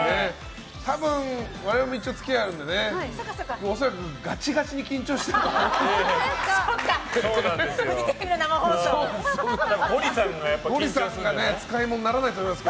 多分、我々も一応付き合いあるんでね恐らくガチガチに緊張していると思います。